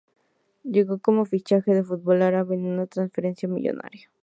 Llegó como fichaje al fútbol árabe, en una transferencia millonaria.